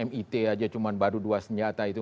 mit aja cuma baru dua senjata itu